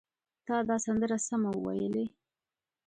تا دا سندره سمه وویلې!